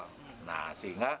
diatibatkan oleh transmisi lokal